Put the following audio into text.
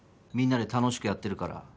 みんなで楽しくやってるから。